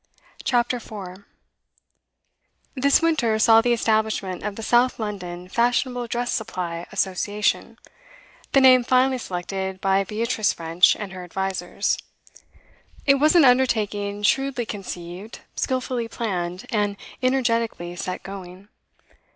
CHAPTER 4 This winter saw the establishment of the South London Fashionable Dress Supply Association the name finally selected by Beatrice French and her advisers. It was an undertaking shrewdly conceived, skilfully planned, and energetically set going.